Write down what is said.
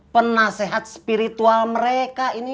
penasehat spiritual mereka ini